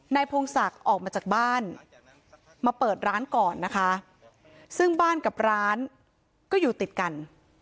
พงศักดิ์ออกมาจากบ้านมาเปิดร้านก่อนนะคะซึ่งบ้านกับร้านก็อยู่ติดกัน